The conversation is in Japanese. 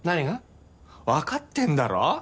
わかってんだろ。